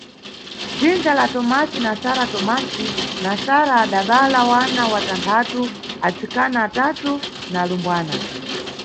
Dzindza la Tomasi na Sara Tomasi na Sara adabala wana watanthatu: atsikana atatu na alumbwana.